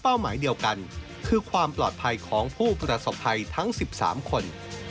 หมายเดียวกันคือความปลอดภัยของผู้ประสบภัยทั้ง๑๓คน